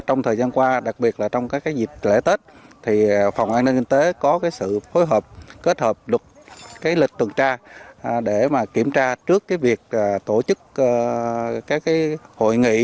trong thời gian qua đặc biệt là trong dịp lễ tết phòng an ninh kinh tế có sự phối hợp kết hợp được lịch tuần tra để kiểm tra trước việc tổ chức hội nghị